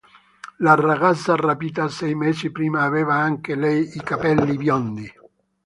La ragazza rapita sei mesi prima aveva anche lei i capelli biondi.